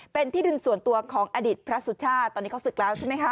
เป็นที่ดินส่วนตัวของอดีตพระสุชาติตอนนี้เขาศึกแล้วใช่ไหมคะ